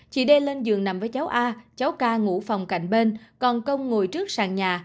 chị đi lên giường nằm với cháu a cháu ca ngủ phòng cảnh bên còn công ngồi trước sàn nhà